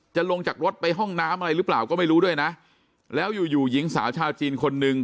ลงจากรถไปห้องน้ำอะไรหรือเปล่าก็ไม่รู้ด้วยนะแล้วอยู่อยู่หญิงสาวชาวจีนคนหนึ่ง